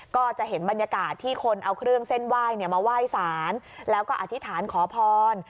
ก็จะเห็นบรรยากาศที่คนเอาเครื่องเส้นไหว้มาไหว้สารแล้วก็อธิษฐานขอพร